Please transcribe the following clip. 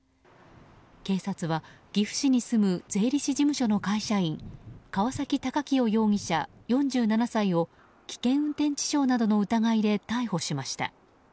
警察は、岐阜市に住む税理士事務所の会社員川崎貴清容疑者、４７歳を危険運転致傷などの疑いで逮捕しました。